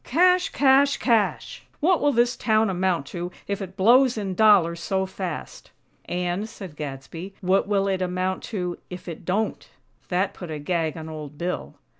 CASH! CASH! CASH!! What will this town amount to if it blows in dollars so fast?" "And," said Gadsby, "what will it amount to, if it don't?" That put a gag on Old Bill.